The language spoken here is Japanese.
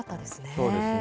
そうですね。